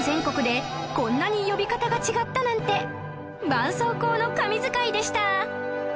ばんそうこうの神図解でした